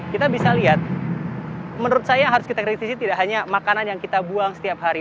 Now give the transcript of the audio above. kita bisa lihat menurut saya yang harus kita kritisi tidak hanya makanan yang kita buang setiap hari